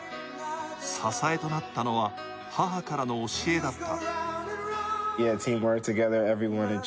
支えとなったのは母からの教えだった。